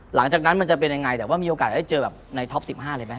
หลังจากนั้นมันจะเป็นยังไงแต่ว่ามีโอกาสได้เจอแบบในท็อป๑๕เลยไหม